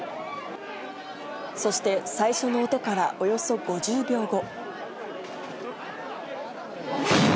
そして、最初の音からおよそ５０秒後。